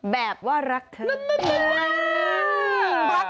นั้นมาเงียบ